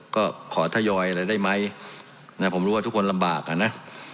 ก็ขอทยอยเลยได้ไหมนะผมรู้ว่าทุกคนลำบากอ่ะนะ